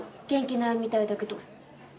元気ないみたいだけど。